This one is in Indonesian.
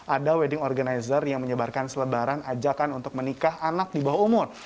ada wedding organizer yang menyebarkan selebaran ajakan untuk menikah anak di bawah umur